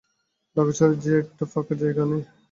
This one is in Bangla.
ঢাকা শহরে যে একটা ফাঁকা জায়গা নেই।